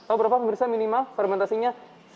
oh berapa pemirsa minimal fermentasinya